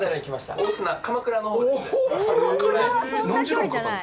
大船、鎌倉のほうで。